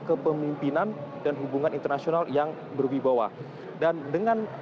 kepemimpinan dan hubungan internasional yang berubi bawah dan dengan